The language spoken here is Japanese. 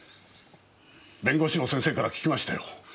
弁護士の先生から聞きましたよ。